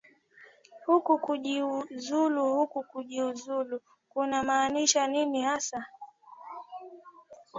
huku kujiuzulu huku kujiuzulu kunamaanisha nini hasa